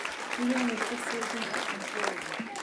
ýüregiňizi gysdyrdym.